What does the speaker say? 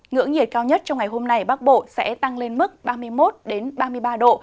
ngưỡng nhiệt cao nhất trong ngày hôm nay bắc bộ sẽ tăng lên mức ba mươi một ba mươi ba độ